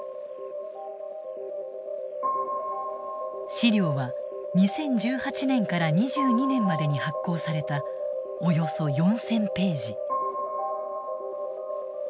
資料は２０１８年から２２年までに発行されたおよそ４，０００ページ。